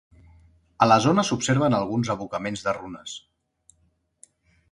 A la zona s'observen alguns abocaments de runes.